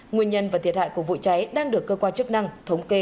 nguyên nhân và thiệt hại của vụ cháy đang được cơ quan chức năng thống kê đảm rõ